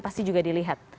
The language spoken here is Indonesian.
pasti juga dilihat